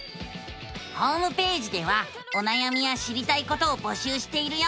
ホームページではおなやみや知りたいことを募集しているよ！